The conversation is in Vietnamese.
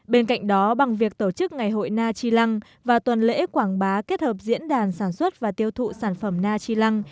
bên cạnh đó bằng việc tổ chức ngày hội na chi lăng và tuần lễ quảng bá kết hợp diễn đàn sản xuất và tiêu thụ sản phẩm na chi lăng